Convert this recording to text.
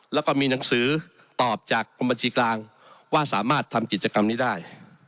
แล้วก็มีหนังสือตอบจากกรมบัญชีกลางว่าสามารถทำกิจกรรมนี้ได้